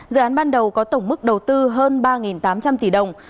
dự án ban đầu có tổng mức đầu tư hơn ba tám trăm linh tỷ đồng